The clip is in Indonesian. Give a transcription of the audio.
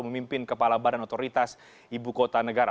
memimpin kepala badan otoritas ibu kota negara